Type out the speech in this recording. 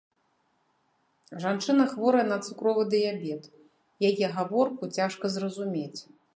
Жанчына хворая на цукровы дыябет, яе гаворку цяжка зразумець.